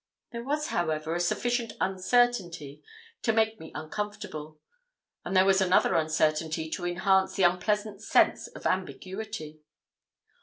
There was, however, a sufficient uncertainty to make me uncomfortable; and there was another uncertainty to enhance the unpleasant sense of ambiguity.